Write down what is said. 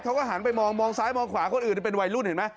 เขาก็หันไปมองมองซ้ายมองขวาคนอื่นเป็นวัยรุ่นเห็นไหม